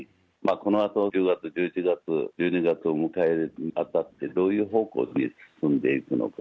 このあと１０月、１１月、１２月を迎えるにあたって、どういう方向に進んでいくのか。